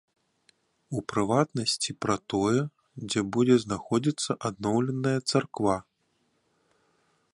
У прыватнасці пра тое, дзе будзе знаходзіцца адноўленая царква.